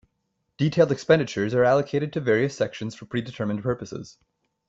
Detailed expenditures are allocated to various sections for pre-determined purposes.